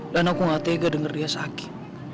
dan aku gak tega denger dia sakit